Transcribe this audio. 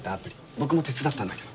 僕も手伝ったんだけど。